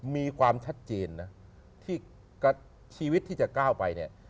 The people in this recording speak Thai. มีความชัดเจนนะที่ชีวิตที่จะก้าวไปเนี่ย